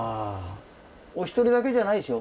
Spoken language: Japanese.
お一人だけじゃないでしょ？